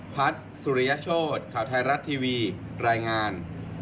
พัฒน์สุริยโชธข่าวไทยรัฐทีวีรายงาน